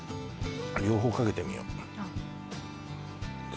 両方かけてみよう私